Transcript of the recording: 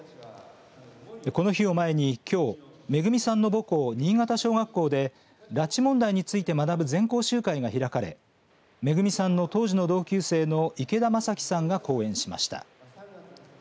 この日を前にきょうめぐみさんの母校、新潟小学校で拉致問題について学ぶ全校集会が開かれめぐみさんの当時の同級生の池田正樹さんが講演しました。